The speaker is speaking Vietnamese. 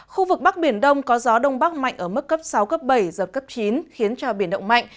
khu vực bắc biển đông có gió đông bắc mạnh ở mức cấp sáu cấp bảy giật cấp chín khiến cho biển động mạnh